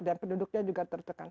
dan penduduknya juga tertekan